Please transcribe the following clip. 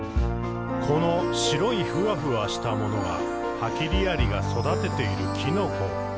「この白いふわふわしたものがハキリアリが育てているきのこ。」